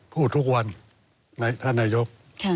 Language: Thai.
พูดทุกวันในถ่านายุป